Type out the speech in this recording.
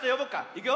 いくよ。